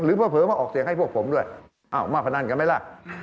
เผลอมาออกเสียงให้พวกผมด้วยอ้าวมาพนันกันไหมล่ะ